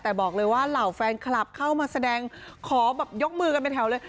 แต่บอกเลยว่าเหล่าแฟนคลับเข้ามาแสดงขอแบบยกมือกันเป็นแถวเลย